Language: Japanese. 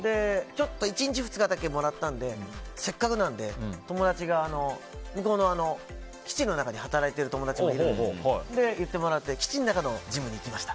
１日、２日だけもらったのでせっかくなんで向こうの基地の中で働いている友達もいるので言ってもらって基地の中のジムに行きました。